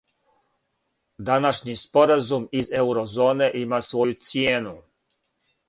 Данашњи споразум из еурозоне има своју цијену.